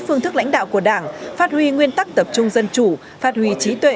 phương thức lãnh đạo của đảng phát huy nguyên tắc tập trung dân chủ phát huy trí tuệ